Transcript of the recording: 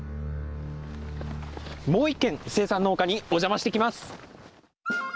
もう一軒生産農家にお邪魔してきます！